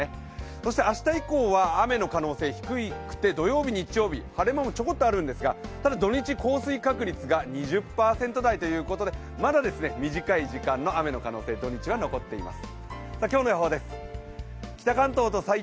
そして明日以降は雨の可能性、低くて土曜日、日曜日、晴れ間もちょこっとあるんですが、ただ土日、降水確率が２０％台ということでまだ短い時間の雨の可能性土日は残っています。